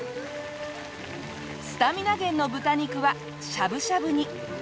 スタミナ源の豚肉はしゃぶしゃぶに。